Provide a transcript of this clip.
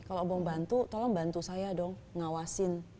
kalau belum bantu tolong bantu saya dong ngawasin